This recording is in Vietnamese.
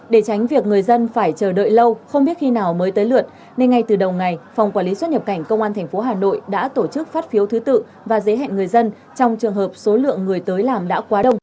để tránh việc người dân phải chờ đợi lâu không biết khi nào mới tới lượt nên ngay từ đầu ngày phòng quản lý xuất nhập cảnh công an tp hà nội đã tổ chức phát phiếu thứ tự và giấy hẹn người dân trong trường hợp số lượng người tử